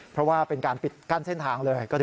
เพราะว่าเป็นการปิดกั้นเส้นทางเลย